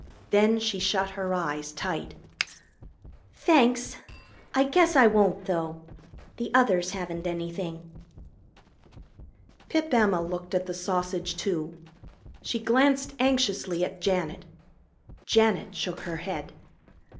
Then she shut her eyes tight. "Thanks I guess I won't, though. The others haven't anything." Pip Emma looked at the sausage, too. She glanced anxiously at Janet. Janet shook her head.